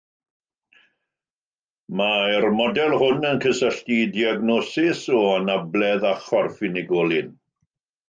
Mae'r model hwn yn cysylltu diagnosis o anabledd â chorff unigolyn.